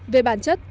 về bản chất